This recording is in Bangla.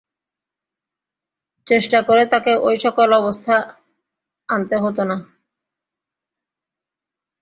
চেষ্টা করে তাঁকে ঐ-সকল অবস্থা আনতে হত না।